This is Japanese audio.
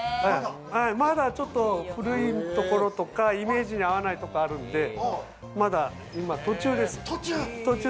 まだ古い所とかイメージに合わないところとかあるんで、まだ今途中です。